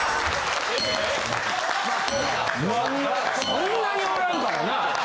そんなにおらんかもな。